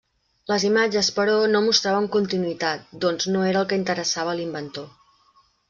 Les imatges, però, no mostraven continuïtat, doncs no era el que interessava a l’inventor.